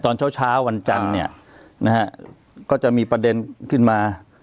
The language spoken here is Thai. ตอนเช้าเช้าวันจันทร์เนี่ยนะฮะก็จะมีประเด็นขึ้นมา